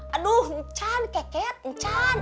aduh encan keket encan